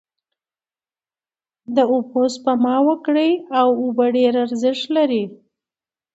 داوبوسپما وکړی او اوبه ډیر ارښت لری